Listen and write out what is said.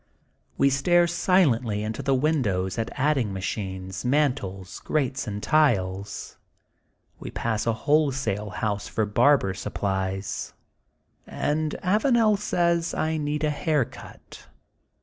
We stare silently into the windows at add ing machines, mantels, grates, and tiles. We pass a wholesale house for barber supplies, 74 THE GOLDEN BOOK OF SPRINGFIELD and Avanel says I need a hair cut.